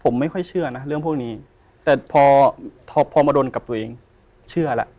ผมไม่ค่อยเชื่อนะเรื่องพวกนี้แต่พอพอมาโดนกับตัวเองเชื่อแล้ว